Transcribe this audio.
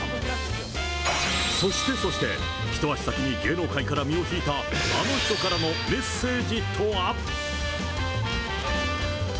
そしてそして、一足先に芸能界から身を引いたあの人からのメッセージとは。